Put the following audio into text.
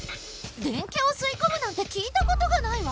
デンキャをすいこむなんて聞いたことがないわ。